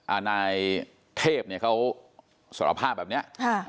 อาณายเทพเนี่ยเขาสรภาพแบบเนี้ย